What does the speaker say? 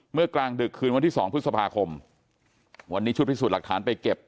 กลางดึกคืนวันที่สองพฤษภาคมวันนี้ชุดพิสูจน์หลักฐานไปเก็บ